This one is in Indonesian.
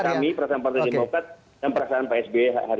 perasaan kami perasaan partai demokrat dan perasaan psb hari ini gitu